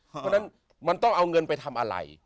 เพราะฉะนั้นมันต้องเอาเงินไปทำอะไร